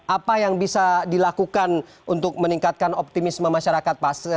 apa yang bisa dilakukan untuk meningkatkan optimisme masyarakat pak